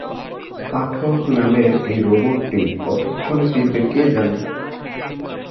পাঠক নামের এই রোবটটি কতক্ষণে ফিরবে কে জানে।